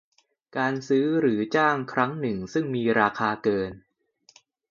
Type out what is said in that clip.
การซื้อหรือจ้างครั้งหนึ่งซึ่งมีราคาเกิน